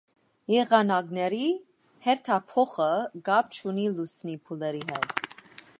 Եղանակների հերթափոխը կապ չունի լուսնի փուլերի հետ։